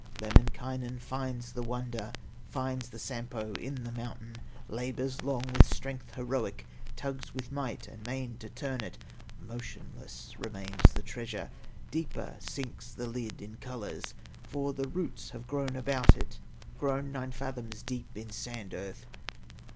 Lemminkainen finds the wonder, Finds the Sampo in the mountain, Labors long with strength heroic, Tugs with might and main to turn it; Motionless remains the treasure, Deeper sinks the lid in colors, For the roots have grown about it, Grown nine fathoms deep in sand earth.